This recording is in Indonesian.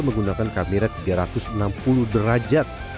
menggunakan kamera tiga ratus enam puluh derajat